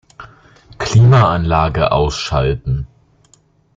Klimaanlage ausschalten.